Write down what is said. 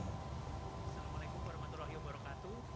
assalamualaikum wr wb